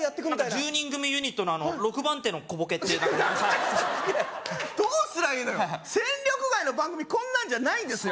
１０人組ユニットの６番手の小ボケって何じゃそれどうすりゃいいのよ戦力外の番組こんなんじゃないんですよ